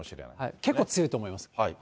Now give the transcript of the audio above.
結構強いと思います。